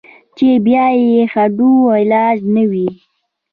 چې بيا ئې هډو علاج نۀ وي -